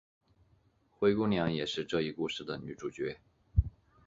灰姑娘也是这一故事的女主角。